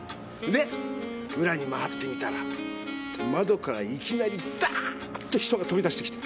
で裏に回ってみたら窓からいきなりダーッと人が飛び出してきた！